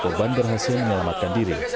korban berhasil menyelamatkan diri